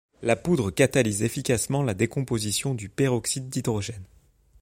La poudre catalyse efficacement la décomposition du peroxyde d'hydrogène.